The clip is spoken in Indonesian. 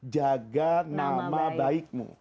jaga nama baikmu